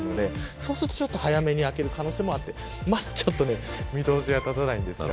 そうすると早めに明ける可能性もあってまだ見通しが立たないです。